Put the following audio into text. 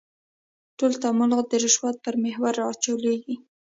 ټول تعاملات د رشوت پر محور راچولېږي.